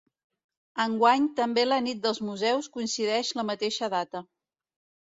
Enguany també la Nit dels Museus coincideix la mateixa data.